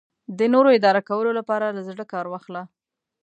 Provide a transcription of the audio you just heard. د نورو اداره کولو لپاره له زړه کار واخله.